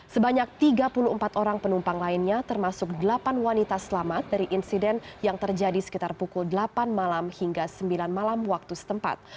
sebanyak tiga puluh empat orang penumpang lainnya termasuk delapan wanita selamat dari insiden yang terjadi sekitar pukul delapan malam hingga sembilan malam waktu setempat